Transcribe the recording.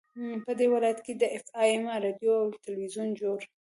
په دې ولايت كې د اېف اېم راډيو او ټېلوېزون جوړ